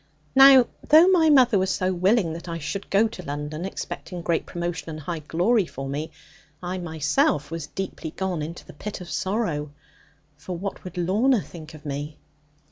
Now though my mother was so willing that I should go to London, expecting great promotion and high glory for me, I myself was deeply gone into the pit of sorrow. For what would Lorna think of me?